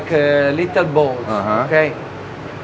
กลับกิน